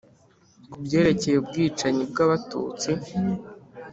ku byerekeye ubwicanyi bw'abatutsi